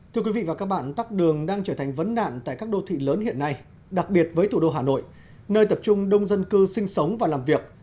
thưa quý vị và các bạn tắc đường đang trở thành vấn nạn tại các đô thị lớn hiện nay đặc biệt với thủ đô hà nội nơi tập trung đông dân cư sinh sống và làm việc